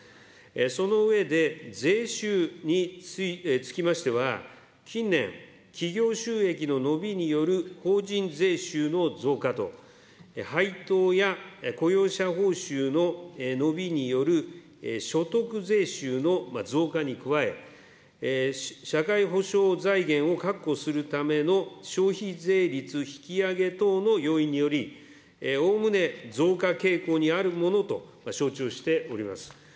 その上で、税収につきましては、近年、企業収益の伸びによる法人税収の増加と、配当や雇用者報酬の伸びによる所得税収の増加に加え、社会保障財源を確保するための消費税率引き上げ等の要因により、おおむね増加傾向にあるものと承知をしております。